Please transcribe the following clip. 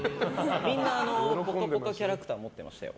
みんな「ぽかぽか」キャラクター持ってましたよ。